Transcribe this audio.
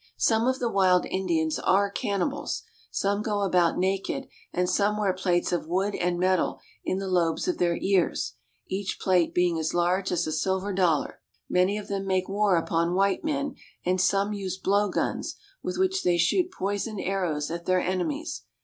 Some of the wild Indians are cannibals. Some go about naked, and some wear plates of wood and metal in the lobes of their ears, each plate being as large as a silver dollar. Many of them make war upon white men, and some use blowguns, with which they shoot poisoned ar rows at their enemies.